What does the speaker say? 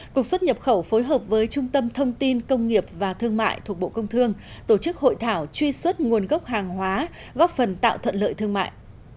cục xuất nhập khẩu phối hợp với trung tâm thông tin công nghiệp và thương mại thuộc bộ công thương tổ chức hội thảo truy xuất nguồn gốc hàng hóa góp phần tạo thuận lợi thương mại